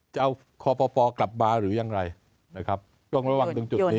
จะเอาคอปกลับมาหรือยังไรนะครับต้องระวังตรงจุดนี้